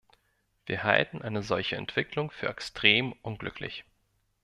Wir halten eine solche Entwicklung für extrem unglücklich.